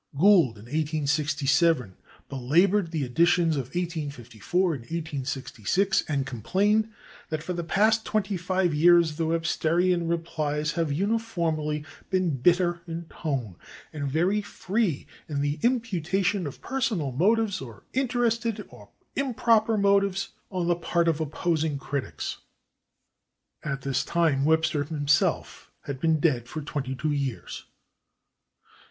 Gould, in 1867, belabored the editions of 1854 and 1866, and complained that "for the past twenty five years the Websterian replies have uniformly been bitter in tone, and very free in the imputation of personal motives, or interested or improper motives, on the part of opposing critics." At this time Webster himself had been dead for twenty two years.